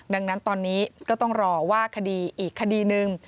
ดังนั้นตอนนี้ก็ต้องรอว่าคดีอีกคดีหนึ่ง